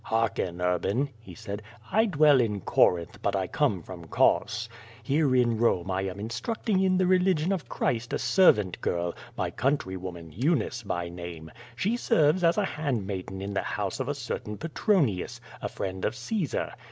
"Hearken, Urban," he said. "I dwell in Corinth, but I come from Cos. Here in Borne I am instructing in the religion of Christ a servant girl, my country woman, Eunice, by name. She serves as a hand maiden in the house of a certain Petronius, a friend of Caesar.